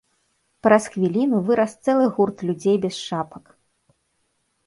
Праз хвіліну вырас цэлы гурт людзей без шапак.